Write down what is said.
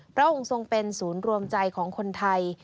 พระองค์ทรงเป็นศูนย์รวมใจของคนไทย